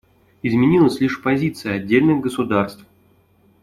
Изменилась лишь позиция отдельных государств.